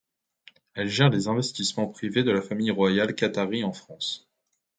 Elle gère les investissements privés de la famille royale qatarie en France.